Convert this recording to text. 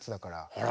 あら。